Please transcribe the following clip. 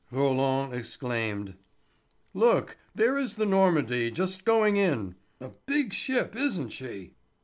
Roland exclaimed: "Look, there is the Normandie just going in. A big ship, isn't she?"